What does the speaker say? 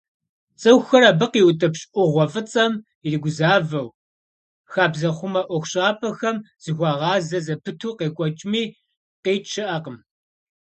ЦӀыхухэр абы къиутӀыпщ Ӏугъуэ фӀыцӀэм иригузавэу, хабзэхъумэ ӀуэхущӀапӀэхэм зыхуагъазэ зэпыту къекӀуэкӀми, къикӀ щыӀэкъым.